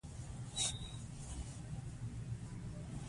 سلام علیکم ورحمته الله وبرکاته